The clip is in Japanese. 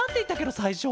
さいしょ。